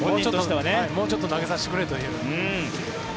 もうちょっと投げさせてくれという。